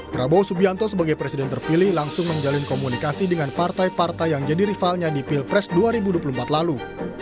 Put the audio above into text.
prabowo subianto sebagai presiden terpilih langsung menjalin komunikasi dengan partai partai yang jadi rivalnya di pilpres dua ribu dua puluh empat lalu